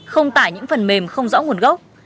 không tải những phần mềm không rõ nguồn gốc